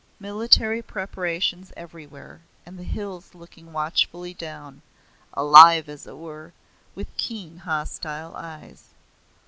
Military preparations everywhere, and the hills looking watchfully down alive, as it were, with keen, hostile eyes.